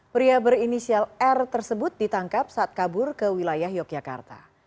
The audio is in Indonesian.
pria berinisial r tersebut ditangkap saat kabur ke wilayah yogyakarta